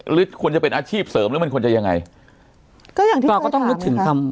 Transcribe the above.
หรือควรจะเป็นอาชีพเสริมหรือมันควรจะยังไงก็อย่างที่เราก็ต้องนึกถึงคำ